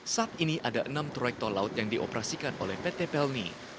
saat ini ada enam trayek tol laut yang dioperasikan oleh pt pelni